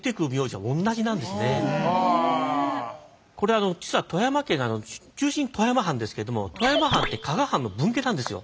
これ実は富山県中心は富山藩ですけども富山藩って加賀藩の分家なんですよ。